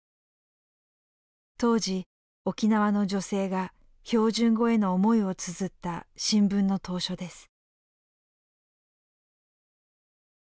当時沖縄の女性が標準語への思いをつづった新聞の投書です。